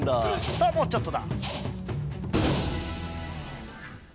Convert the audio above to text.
さあもうちょっとだ。